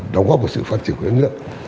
đóng góp vào sự phát triển của nhà nước